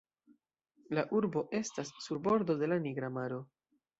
La urbo estas sur bordo de la Nigra maro.